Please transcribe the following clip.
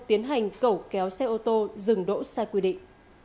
tiến hành cẩu kéo xe ô tô dừng đỗ sai quy định